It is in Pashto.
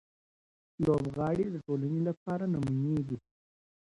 لوبغاړي د ټولنې لپاره نمونې دي.